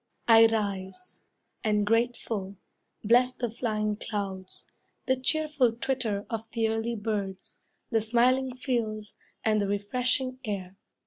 I rise, and grateful, bless the flying clouds, The cheerful twitter of the early birds, The smiling fields, and the refreshing air.